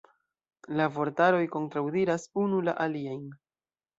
La vortaroj kontraŭdiras unu la aliajn.